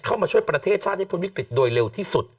เข้ามาช่วยประเทศชาติให้พ้นวิกฤตโดยเร็วที่สุด